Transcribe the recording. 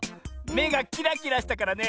めがキラキラしたからね